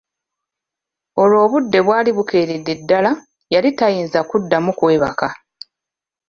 Olwo obudde bwali bukeeredde ddala, yali tayinza kuddamu kwebaka.